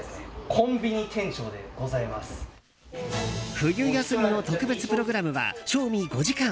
冬休みの特別プログラムは正味５時間。